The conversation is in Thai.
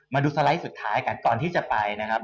มาดูสไลด์สุดท้ายกันก่อนที่จะไปนะครับ